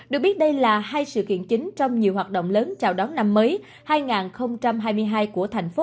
được biết đây là hai sự kiện chính trong nhiều hoạt động lớn chào đón năm mới hai nghìn hai mươi hai của thành phố